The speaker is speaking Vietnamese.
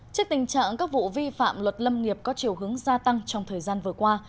trước tình trạng các vụ vi phạm luật lâm nghiệp có chiều hướng gia tăng trong thời gian vừa qua